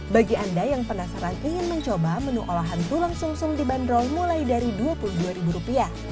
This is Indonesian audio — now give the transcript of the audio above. bagi anda yang penasaran ingin mencoba menu olahan tulang sum sum dibanderol mulai dari rp dua puluh dua